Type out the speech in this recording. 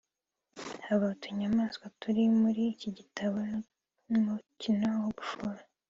Haba utunyamaswa turimuri iki gitabo n’umukino wo gufora